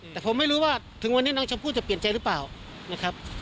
แต่ผมไม่รู้ว่าถึงวันนี้น้องชมพู่จะเปลี่ยนใจหรือเปล่านะครับ